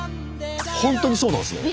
本当にそうなんですね。